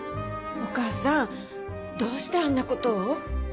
お義母さんどうしてあんな事を？